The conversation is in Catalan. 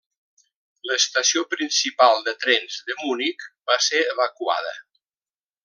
L'estació principal de trens de Munic va ser evacuada.